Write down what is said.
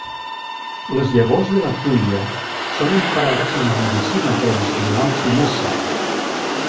Les llavors de la tuia són emprades en la medicina tradicional xinesa.